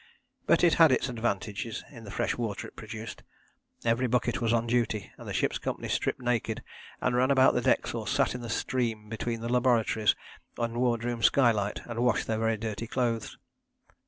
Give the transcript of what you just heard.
But it had its advantages in the fresh water it produced. Every bucket was on duty, and the ship's company stripped naked and ran about the decks or sat in the stream between the laboratories and wardroom skylight and washed their very dirty clothes.